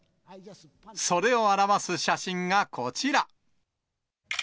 それを表す写真がこちら。